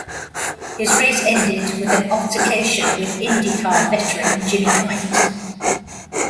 His race ended with an altercation with IndyCar veteran Jimmy Kite.